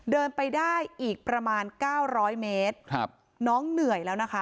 เดินไปได้อีกประมาณเก้าร้อยเมตรครับน้องเหนื่อยแล้วนะคะ